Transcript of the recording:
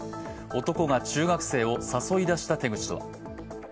男が中学生を誘い出した手口とは。